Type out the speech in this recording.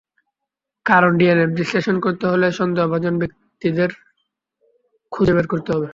কারণ, ডিএনএ বিশ্লেষণ করতে হলে সন্দেহভাজন ব্যক্তিদের খুঁজে বের করতে হবে।